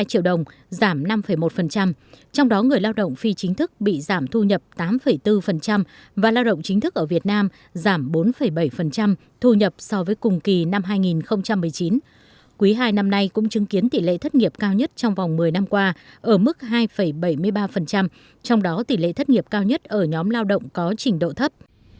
năm hai triệu đồng giảm năm một trong đó người lao động phi chính thức bị giảm thu nhập tám bốn và lao động chính thức ở việt nam giảm bốn bảy thu nhập so với cùng kỳ năm hai nghìn một mươi chín quý ii năm nay cũng chứng kiến tỷ lệ thất nghiệp cao nhất trong vòng một mươi năm qua ở mức hai bảy mươi ba trong đó tỷ lệ thất nghiệp cao nhất ở nhóm lao động có trình độ thấp